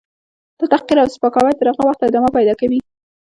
. دا تحقیر او سپکاوی تر هغه وخته ادامه پیدا کوي.